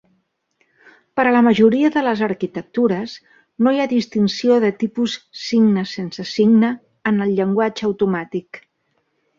Per a la majoria de les arquitectures, no hi ha distinció de tipus signe-sense signe en el llenguatge automàtic.